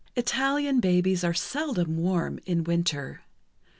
Italian babies are seldom warm, in winter.